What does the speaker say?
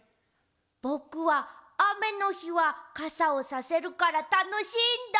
ぼくはあめのひはかさをさせるからたのしいんだ！